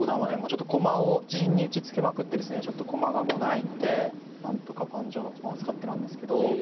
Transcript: ちょっと駒を陣に打ちつけまくってですねちょっと駒がもうないのでなんとか盤上の駒を使ってなんですけど。